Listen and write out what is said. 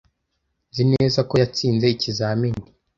Nzi neza ko yatsinze ikizamini.